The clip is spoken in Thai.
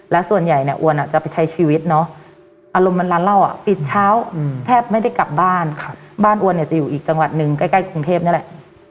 และส่วนใหญ่เนี่ยอ้วนจะไปใช้ชีวิตเนาะอารมณ์มันร้านเหล้าอ่ะปิดเช้าแทบไม่ได้กลับบ้านบ้านอวนเนี่ยจะอยู่อีกจังหวัดหนึ่งใกล้กรุงเทพนี่แหละ